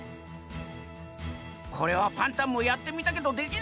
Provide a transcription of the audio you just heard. これはパンタンもやってみたけどできなかったざんす。